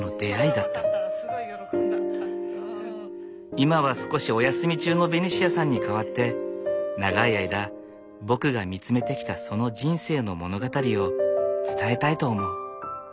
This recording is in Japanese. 今は少しおやすみ中のベニシアさんに代わって長い間僕が見つめてきたその人生の物語を伝えたいと思う。